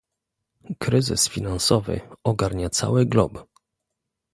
Kryzys finansowy ogarnia cały glob